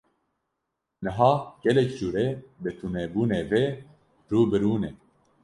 Niha gelek cure bi tunebûnê ve rû bi rû ne.